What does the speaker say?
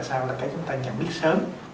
sao là cái chúng ta nhận biết sớm